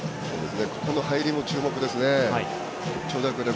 ここの入りも注目ですね。